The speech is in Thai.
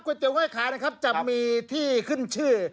เตี๋ยห้อยขายนะครับจะมีที่ขึ้นชื่อ